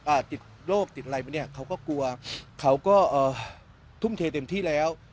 ติดโรคติดอะไรมาเนี้ยเขาก็กลัวเขาก็เอ่อทุ่มเทเต็มที่แล้ว